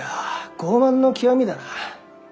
傲慢の極みだな。